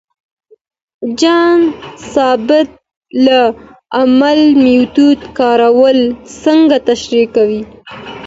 جان سبت د علمي میتود کارول څنګه تشریح کوي؟